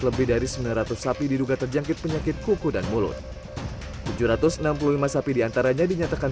lebih dari sembilan ratus sapi diduga terjangkit penyakit kuku dan mulut tujuh ratus enam puluh lima sapi diantaranya dinyatakan